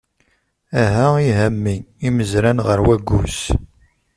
Iha iha a mm imezran ɣer waggus.